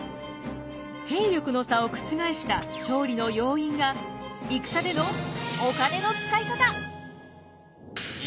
兵力の差を覆した勝利の要因が戦でのお金の使い方。